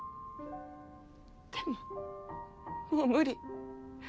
でももう無理。